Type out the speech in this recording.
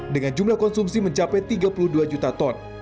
dengan jumlah konsumsi mencapai tiga puluh dua juta ton